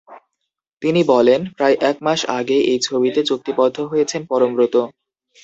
তিনি বলেন, প্রায় এক মাস আগে এই ছবিতে চুক্তিবদ্ধ হয়েছেন পরমব্রত।